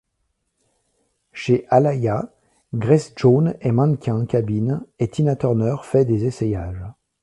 Chez Alaïa, Grace Jones est mannequin-cabine et Tina Turner fait des essayages.